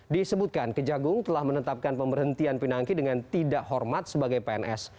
disebutkan kejagung telah menetapkan pemberhentian pinangki dengan tidak hormat sebagai pns